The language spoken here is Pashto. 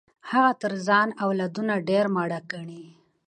هغه تر ځان اولادونه ډېر ماړه ګڼي.